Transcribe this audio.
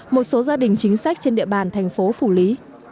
một số gia đình chính sách trên địa bàn thành phố phủ lý